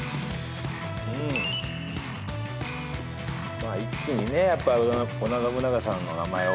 まあ一気にねやっぱ織田信長さんの名前を。